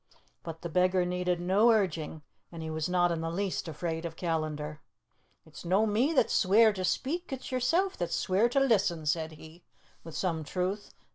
But the beggar needed no urging, and he was not in the least afraid of Callandar. "It's no me that's sweer to speak, it's yersel' that's sweer to listen," said he, with some truth.